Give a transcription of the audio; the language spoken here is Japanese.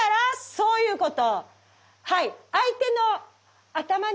そういうこと。